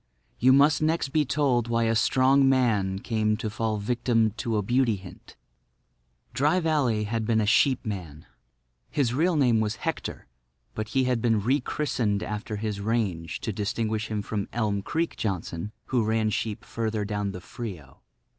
You must next be told why a strong man came to fall a victim to a Beauty Hint. Dry Valley had been a sheepman. His real name was Hector, but he had been rechristened after his range to distinguish him from "Elm Creek" Johnson, who ran sheep further down the Frio.